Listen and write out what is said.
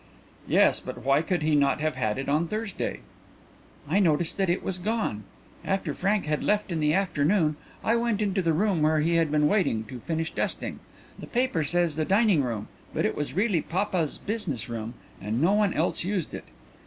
"Yes, but why could he not have it on Thursday?" "I noticed that it was gone. After Frank had left in the afternoon I went into the room where he had been waiting, to finish dusting. The paper says the dining room, but it was really papa's business room and no one else used it.